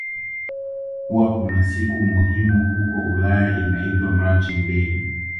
kuwa kunasiku muhimu huko Ulaya inaitwa marching day